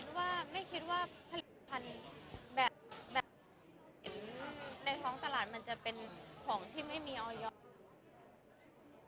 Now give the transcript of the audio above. ว่าไม่คิดว่าผลิตภัณฑ์แบบในท้องตลาดมันจะเป็นของที่ไม่มีออยอร์